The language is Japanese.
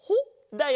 だよ。